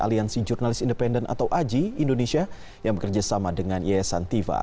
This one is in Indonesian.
aliansi jurnalis independen atau agi indonesia yang bekerja sama dengan ies antiva